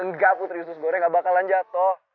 enggak putri usus goreng gak bakalan jatuh